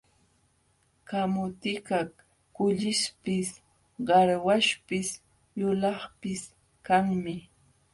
Kamutikaq kullipis, qarwaśhpis, yulaqpis kanmi.